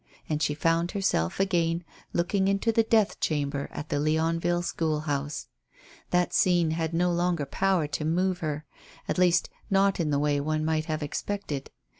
And she found herself again looking into the death chamber at the Leonville school house. That scene had no longer power to move her; at least not in the way one might have expected.